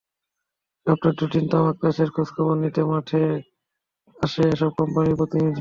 সপ্তাহে দুদিন তামাক চাষের খোঁজখবর নিতে মাঠে আসে এসব কোম্পানির প্রতিনিধি।